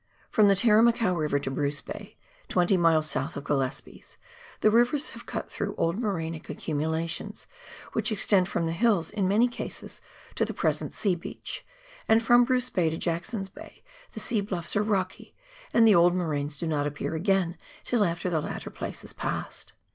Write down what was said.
From the Teremakau River to Bruce Bay — twenty miles south of Gillespies — the rivers have cut through old morainic accumu lations, which extend from the hills in many cases to the present sea beach, and from Bruce Bay to Jackson's Bay the sea bluffs are rocky, and the old moraines do not appear again till after the latter place is passed.